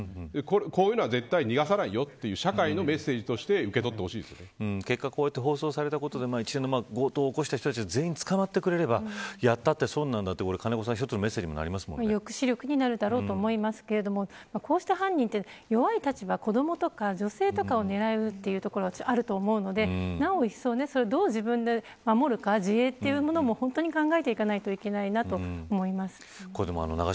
こういうのは絶対逃がさないよという社会のメッセージとして結果こうやって放送されたことで一連の強盗を起こした人たちが全員捕まってくれれば一つのメッセージに抑止力になるだろうと思いますけどこうした犯人は弱い立場の子どもや女性を狙うところがあると思うのでなおいっそう、どう自分で守るか自衛というものも考えていかないといけないなと思います。